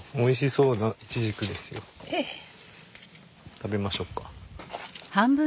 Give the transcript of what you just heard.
食べましょうか。